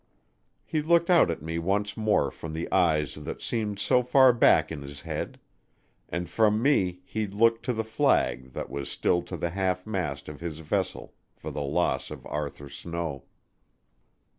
He looked out at me once more from the eyes that seemed so far back in his head; and from me he looked to the flag that was still to the half mast of his vessel for the loss of Arthur Snow.